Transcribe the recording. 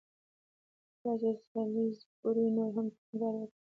کله چې سالیزبوري نور هم ټینګار وکړ.